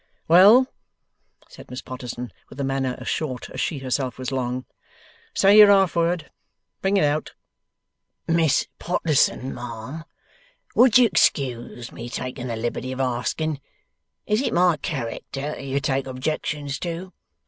'Well?' said Miss Potterson, with a manner as short as she herself was long, 'say your half word. Bring it out.' 'Miss Potterson! Ma'am! Would you 'sxcuse me taking the liberty of asking, is it my character that you take objections to?